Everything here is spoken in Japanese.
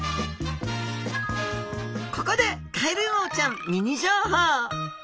ここでカエルウオちゃんミニ情報。